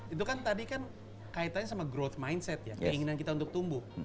itu kan tadi kan kaitannya sama growth mindset ya keinginan kita untuk tumbuh